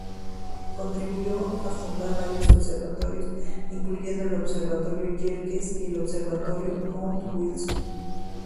Contribuyó a fundar varios observatorios, incluyendo el Observatorio Yerkes y el Observatorio Mount Wilson.